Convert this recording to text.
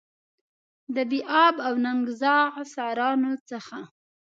د بې آب او ننګ زاغ سارانو څخه.